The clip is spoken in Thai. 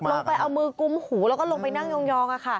ไปเอามือกุ้มหูแล้วก็ลงไปนั่งยอง